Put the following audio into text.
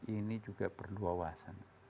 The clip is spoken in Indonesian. ini juga perlu wawasan